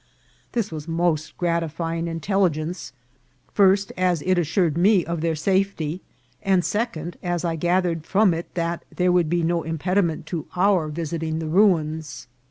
This was most gratifying intelligence, first, as it assured me of their safety, and second, as I gathered from it that there would be no impediment to our visiting the ruins.